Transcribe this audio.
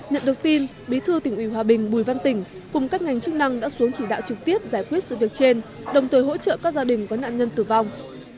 nhận được tin bí thư tỉnh ủy hòa bình bùi văn tỉnh cùng các ngành chức năng đã xuống chỉ đạo trực tiếp giải quyết sự việc trên đồng thời hỗ trợ các gia đình có nạn nhân tử vong